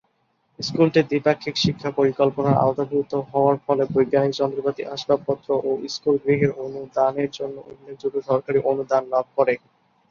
স্কুলটি দ্বিপাক্ষিক শিক্ষা পরিকল্পনার আওতাভুক্ত হওয়ার ফলে বৈজ্ঞানিক যন্ত্রপাতি, আসবাব-পত্র ও স্কুল-গৃহের অনুদানের জন্য উল্লেখযোগ্য সরকারি অনুদান লাভ করে।